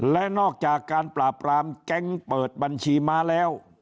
และนอกจากการปราบปรามแก๊งเปิดบัญชีม้าแล้ว